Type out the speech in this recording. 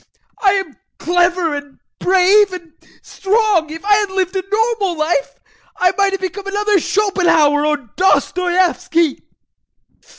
I am clever and brave and strong. If I had lived a normal life I might have become another Schopenhauer or Dostoieffski.